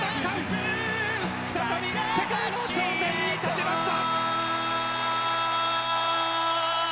再び世界の頂点に立ちました。